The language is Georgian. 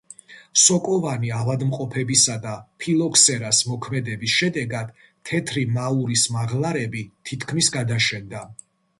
სოკოვანი ავადმყოფობებისა და ფილოქსერას მოქმედების შედეგად თეთრი მაურის მაღლარები თითქმის გადაშენდა.